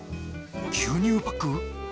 牛乳パック？